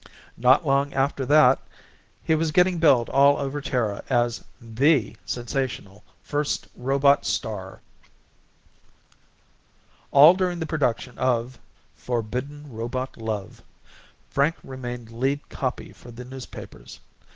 Not long after that he was getting billed all over Terra as the sensational first robot star. All during the production of Forbidden Robot Love Frank remained lead copy for the newspapers.